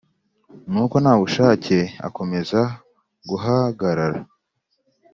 Nuko ntabushake akomeza guhagarara.